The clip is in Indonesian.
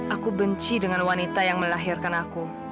aku benci dengan wanita yang melahirkan aku